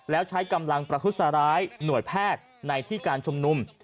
แล้วใช้กำลังประทุษร้ายหน่วยแพทย์ในที่การชุมนุม